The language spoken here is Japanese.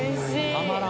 たまらん。